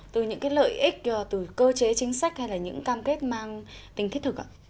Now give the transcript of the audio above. từ những cái lợi ích từ cơ chế chính sách hay là những cam kết mang tính thiết thực ạ